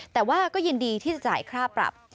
แต่ว่าก็ยินดีที่จะจ่ายค่าปรับ